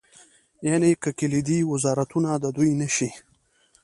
یعنې که کلیدي وزارتونه د دوی نه شي.